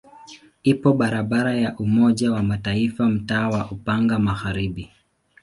Ipo barabara ya Umoja wa Mataifa mtaa wa Upanga Magharibi.